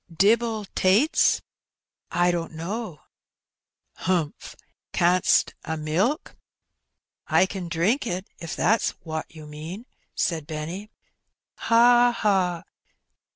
"Dibbel tates?" " I don't know." ''Humph. Canst a milk?" '' I ken drink it, if that's wot you mean," said Benny. " Ha ! ha